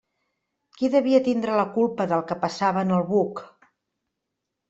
Qui devia tindre la culpa del que passava en el buc?